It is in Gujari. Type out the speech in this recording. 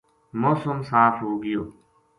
موسم صاف ہو گیو